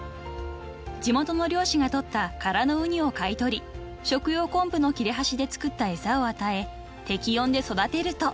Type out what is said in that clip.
［地元の漁師が採った空のウニを買い取り食用昆布の切れ端で作った餌を与え適温で育てると］